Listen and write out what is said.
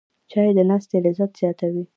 چای د ناستې لذت زیاتوي